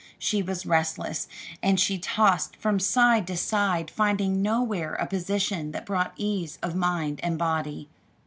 She was restless, and she tossed from side to side finding nowhere a position that brought ease of mind and body.